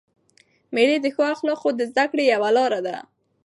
مېلې د ښو اخلاقو د زدهکړي یوه لاره ده.